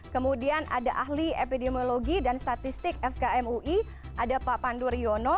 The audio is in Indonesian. kemudian ada ahli epidemiologi dan statistik fkm ui ada pak pandu riono